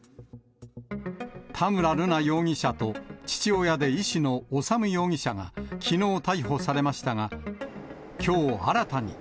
田村瑠奈容疑者と、父親で医師の修容疑者がきのう逮捕されましたが、きょう、新たに。